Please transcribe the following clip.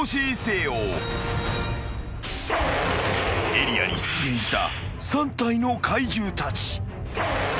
［エリアに出現した３体の怪獣たち］